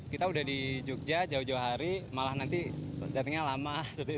kita udah di jogja jauh jauh hari malah nanti jatuhnya lama